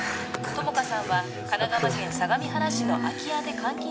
友果さんは神奈川県相模原市の空き家で監禁